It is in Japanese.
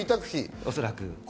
おそらく。